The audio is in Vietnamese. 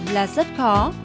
là rất khó